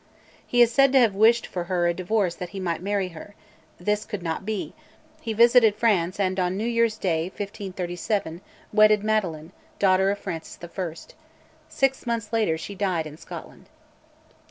He is said to have wished for her a divorce that he might marry her; this could not be: he visited France, and on New Year's Day, 1537, wedded Madeline, daughter of Francis I. Six months later she died in Scotland.